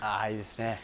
いいですね。